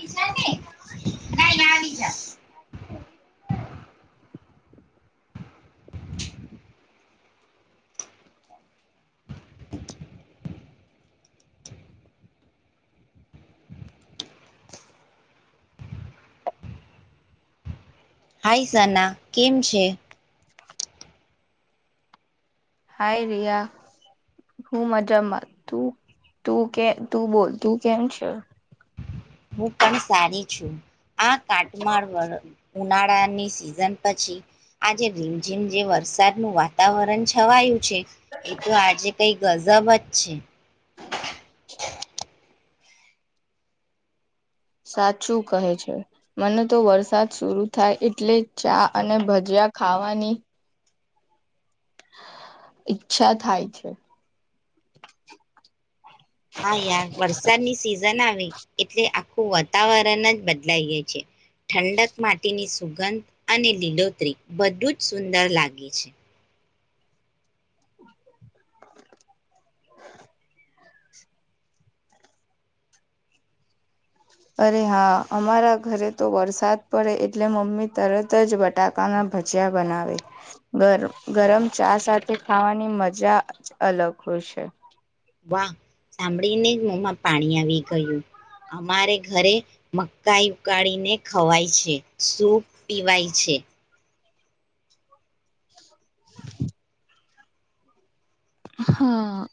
જલ્દી, ને અહીંયા આવી જા. હાઈ સના, કેમ છે? હાય રિયા, હું મજામાં. તું, તું કે તું બોલ તું કેમ છે? હું પણ સારી છું. આ કાટમાળ વારો. ઉનાળાની સિઝન પછી, આજે રીમઝીમ જે વરસાદનું વાતાવરણ છવાયું છે એ તો આજે કંઈક ગઝબ જ છે. [unintelligible] સાચું કહે છે મને તો વરસાદ શુરુ થાય એટલે ચા અને ભજીયા ખાવાની ઈચ્છા થાય છે. હા યાર વરસાદની સિઝન આવે એટલે આ આખું વાતાવરણ જ બદલાઈ જાય છે ઠંડક, માટીની સુગંધ અને લીલોતરી બધું જ સુંદર લાગે છે. અરે હા અમારા ઘરે તો વરસાદ પડે એટલે મમ્મી તરત જ બટાકાના ભજીયા બનાવે ગર ગરમ ચા સાથે ખાવાની મજા જ અલગ હોય છે. વાહ સાંભળીને જ મોમાં પાણી આવી ગયું અમારે ઘરે મકાઈ ઉકાળીને ખવાય છે, સૂપ પીવાય છે. [unintelligible] હા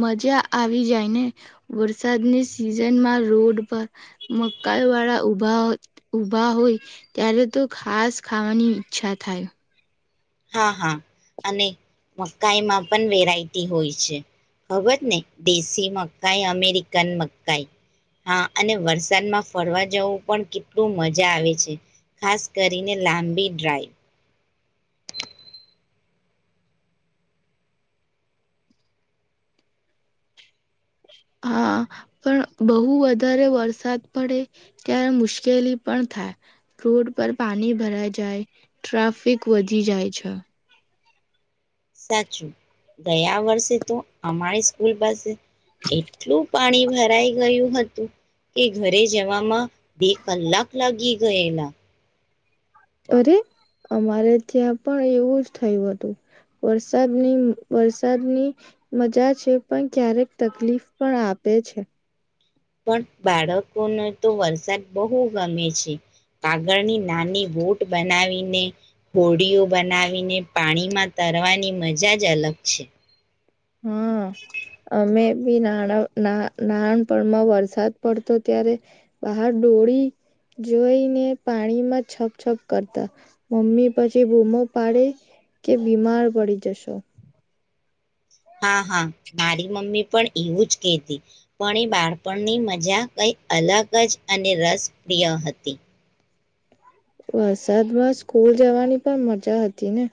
મજા આવી જાય ને વરસાદની સિઝનમાં રોડ પર મકાઈવાળા ઉભા ઉભા હોય ત્યારે તો ખાસ ખાવાની ઈચ્છા થાય. હા હા અને મકાઈમાં પણ વેરાયટી હોય છે ખબર ને દેશી મકાઈ, અમેરિકન મકાઈ હા અને વરસાદમાં ફરવા જવું પણ કેટલું મજાવે છે ખાસ કરીને લાંબી ડ્રાઈવ. હા પણ બહુ વધારે વરસાદ પડે ત્યારે મુશ્કેલી પણ થાય, રોડ પર પાણી ભરાઈ જાય, ટ્રાફિક વધી જાય છે. સાચું ગયા વર્ષે તો અમારી સ્કૂલ પાસે એટલું પાણી ભરાઈ ગયું હતું કે ઘરે જવામાં બે કલાક લાગી ગ ગએલા. અરે અમારે ત્યાં પણ એવું જ થયું હતું વરસાદની વરસાદની મજા છે પણ ક્યારેક તકલીફ પણ આપે છે. પણ બાળકોને તો વરસાદ બહુ ગમે છે આાગળની નાની બોટ બનાવીને હોડીઓ બનાવીને પાણીમાં તરવાની મજા જ અલગ છે. હા અમે બી નાણા ના નાણપણમાં વરસાદ પડતો ત્યારે બહાર ડોળી જોઈને પાણીમાં છપ છપ કરતા મમ્મી પછી બૂમો પાડે કે બીમાર પડી જશો. હા હા મારી મમ્મી પણ એવું જ કેતી પણ એ બાળપણની મજા કઈ અલગ જ અને રસપ્રિય હતી. વરસાદમાં સ્કૂલ જવાની પણ મજા હતી ને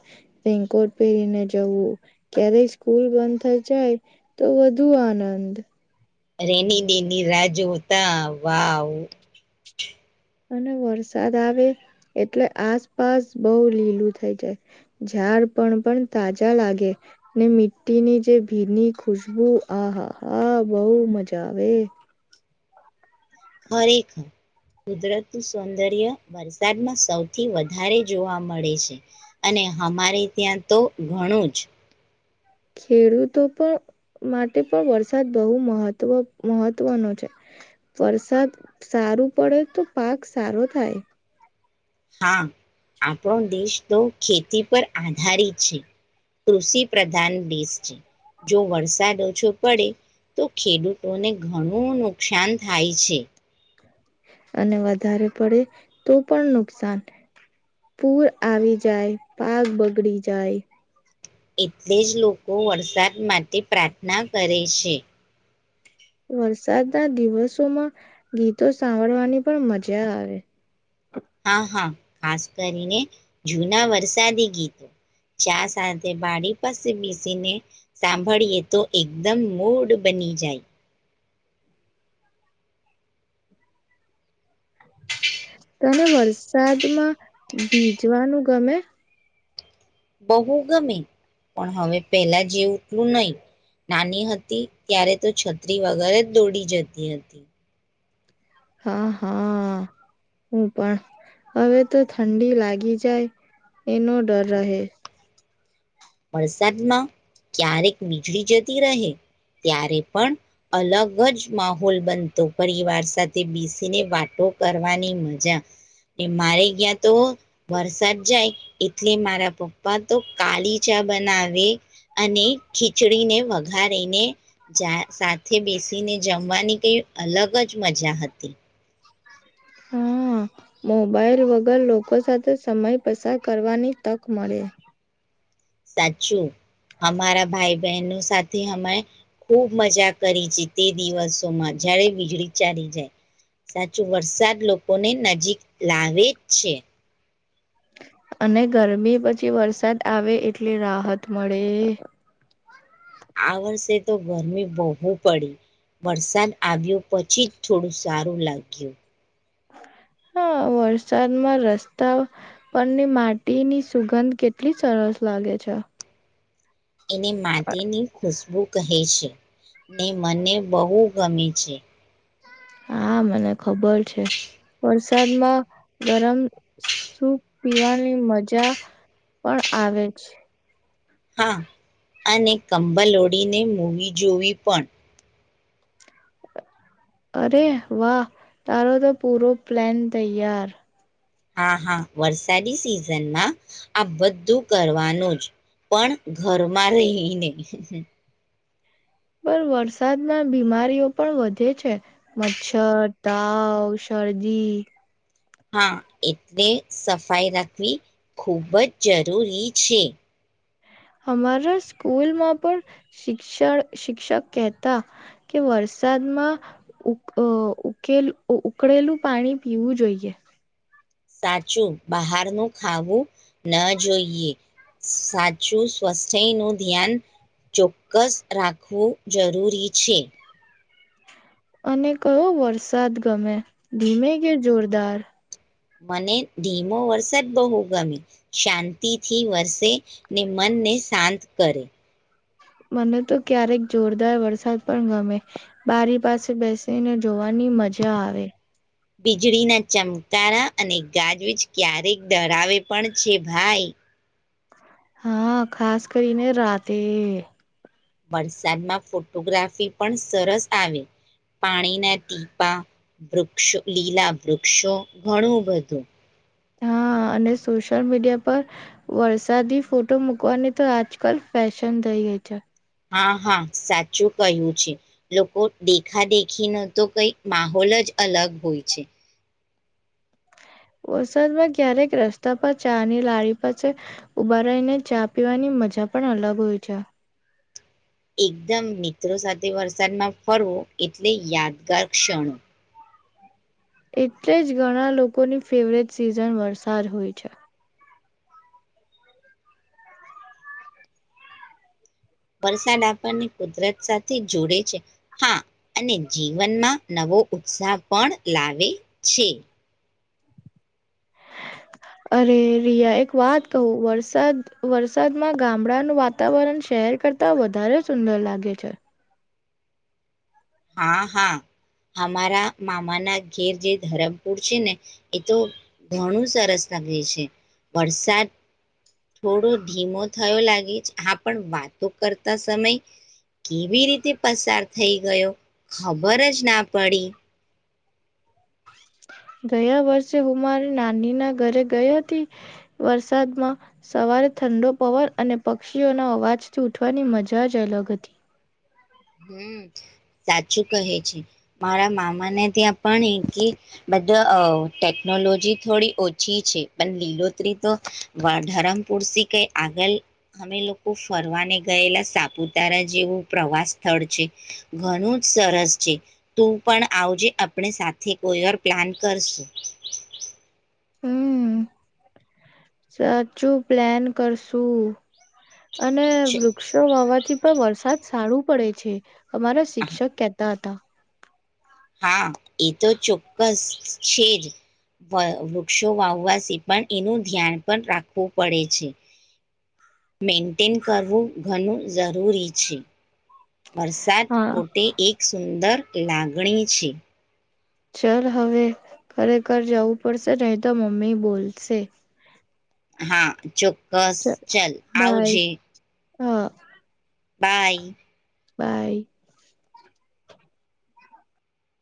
રેનકોટ પહેરીને જવું ક્યારેય સ્કૂલ બંધ થઇ જાય તો વધુ આનંદ. રેની દેની રાજુતા વાવ. અને વરસાદ આવે એટલે આસપાસ બહુ લીલું થઈ જાય, ઝાડ પણ પણ તાજા લાગે ને મી્ટીની જે ભીની ખુશબુ આહા હા બહુ મજા આવે. ખરેખર કુદરત નું સૌંદર્ય વરસાદમાં સૌથી વધારે જોવા મળે છે. અને અમારે ત્યાં. તો ઘણું જ. ખેડૂતો પણ માટે પણ વરસાદ બહુ મહત્વ મહત્વનો છે, વરસાદ સારું પડે તો પાક સારો થાય. હા આપણો દેશ તો ખેતી પર આધારિત છે. કૃષિ પ્રધાન દેશ છે જો વરસાદ ઓછો પડે તો ખેડૂતોને ઘણું નુકસાન થાય છે. અને વધારે પડે તો પણ નુકસાન, પૂર આવી જાય પાગ બગડી જાય. એટલે જ લોકો વરસાદ માટે પ્રાર્થના કરે છે. વર સાતના દિવસોમાં ગીતો સાંભળવાની પણ મજા આવે. હા હા. ખાસ કરીને જૂના વરસાદી ગીતો ચા સાથે બાડી પાસે બેસીને સાંભળીએ તો એકદમ મૂડ બની જાય. તમે વરસાદમાં ભીજવાનું ગમે? બહુ ગમે પણ હવે પેલા જેવટલું નહી નાની હતી ત્યારે તો છત્રી વગર જ દોડી જતી હતી. હા હા હું પણ હવે તો ઠંડી લાગી જાય એનો ડર રહે. વરસાદમાં ક્યારેક વીજળી જતી રહે ત્યારે પણ અલગ જ માહોલ બનતો પરિવાર સાથે બેસીને વાતો કરવાની મજા, મારે ગ્યાં તો વરસાદ જાય એટલે મારા પપ્પા તો કાલી. ચા બનાવે અને ખીચડીને વઘારીને ચા સાથે બેસીને જમવાની કઈ અલગ જ મજા હતી. હા મોબાાઈલ વગર લોકો સાથે સમય પસાર કરવાની તક મળે. સાચું અમારા ભાઈ બહેનો સાથે અમે ખૂબ મજા કરી છે તે દિવસોમાં જયારે વીજળી ચાલી જાય, સાચું વરસાદ લોકોને નજીક લાવે જ છે. અને ગરમી પછી વરસાદ આવે એટલે રાહત મળે. આ વર્ષે તો ગરમી બહુ પડી વરસાદ આવ્યો પછી જ થોડું સારું લાગ્યું. હા વરસાદમાં રસ્તા પરની માટીની સુગંધ કેટલી સરસ લાગે છે. એને માટીની ખુશબુ. કહે છે ને મને બહુ ગમે છે. હા મને ખબર છે વરસાદમાં ગરમ સૂપ પીવાની મજા પણ આવે છે. હા અને કંબલ ઓડીને મૂવી જોવી પણ. અરે વાહ તારો તો પૂરો પ્લાન તૈયાર. હા હા વરસાદી સિઝનમાં આ બધું કરવાનું જ પણ ઘરમાં રહીને. પણ વરસાદમાં બીમારીઓ પણ વધે છે મચ્છર તાવ શરદી. હા એટલે સફાઈ રાખવી ખૂબ જ જરૂરી છે. અમારા સ્કૂલમાં પણ શિક્ષણ શિક્ષક કેહેતા કે વરસાદમાં ઉકેલ ઉકળેલું પાણી પીવું જોઈએ. સાચું બહારનું ખાવું ન જોઈએ સાચું સ્વસ્થ્ય નું ધ્યાન ચોક્કસ રાખવું જરૂરી છે. અને કયો વરસાદ ગમે ધીમે કે જોરદાર. મને ધીમો વરસા જ બહુ ગમે શાંતિથી વરસે ને મનને શાંત કરે. મને તો ક્યારેક જોરદાર વરસાદ પણ ગમે બારી પાસે બેસીને જોવાની મજા આવે. વીજળીના ચમકારા અને ગાજવીજ ક્યારેક ડરાવે પણ છે ભાઈ. હા ખાસ કરીને રાતે. વરસાદમાં ફોટોગ્રાફી પણ સરસ આવે પાણીના ટીપા વૃક્ષો લીલા વૃક્ષો ઘણું બધું. હા અને સોશિયલ મીડિયા પર વરસાદી ફોટો મુૂકવાની તો આજકાલ ફેશન થઈ ગઈ છે. હા હા સાચું કહ્યું છે લોકો દેખા દેખી ન તો કઈ માહોલ જ અલગ હોય છે. વરસાદમાં ક્યારેક રસ્તા પર ચાની લાળ પાસે ઉભા રહીને ચા પીવાની મજા પણ અલગ હોય છે. એકદમ મિત્રો સાથે વરસાદમાં ફરવો એટલે યાદગાર ક્ષણો. એટલે જ ઘણા લોકોની ફેવરેટ સિઝન વરસાદ હોય છે. વરસાદ આપણને કુદરત સાથે જોડે છે હા અને જીવનમાં નવો ઉત્સાહ પણ લાવે છે. અરે રિયા એક વાત કહુંર વરસાદમાં ગામડાનું વાતાવરણ શહેર કરતા વધારે સુંદર લાગે છે. હા હા અમારા મામાના ઘેર જે ધરમપુર છે ને એ તો ઘણું સરસ લાગે છે વરસાદ થોડો ધીમો થયો લાગે છે હા પણ વાતો કરતા સમય કેવી રીતે પસાર થઈ ગયો. ખબર જ ના પડી. ગયા વર્ષે હું મારી નાનીના ઘરે ગઈ હતી વરસાદમાં સવારે ઠંડો પવન અને પક્ષીઓના અવાજથી ઉઠવાની મજા જ અલગ હતી. હમ સાચું કહે છે મારા મામાને ત્યાં પણ કે બધા ટેકનોલોજી થોડી ઓછી છે પણ લીલોતરી તો ધરમપુર કઈ આગળ અમે લોકો ફરવાને ગયેલા સાપુતારા જેવું પ્રવાસ. છે ઘણું જ સરસ છે તું પણ આવજે આપણે સાથે કોઈર પ્લાન કરશું. હમ સાચું પ્લાન કરશુ. અને વૃક્ષો વાવાથી. પણ વરસાદ સારું પડે છે. અમારા શિક્ષક કતા હતા. હા એ તો ચોક્કસ છે જ વૃક્ષો વાવવાથી પણ એનું ધ્યાન પણ રાખવું પડે છે. મેન્ટેન કરવું ઘણું જરૂરી છે. વરસાદ હા પોતે એક સુંદર. લાગણી છે. ચાલ હવે ખરેખર જવું પડશે નહી તો મમ્મી બોલશે. હા ચો. બસ ચલ બાય આવજે. હા. બાય. બાય.